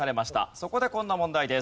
そこでこんな問題です。